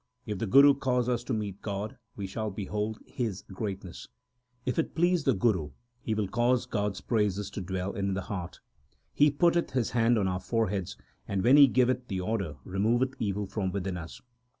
If the Guru cause us to meet God, we shall behold His greatness. If it please the Guru, he will cause God s praises to dwell in the heart. He putteth his hand on our foreheads ; and when he giveth the order, removeth evil from within us.